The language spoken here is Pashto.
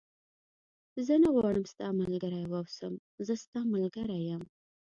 زه نه غواړم ستا ملګری و اوسم، زه ستا ملګری یم.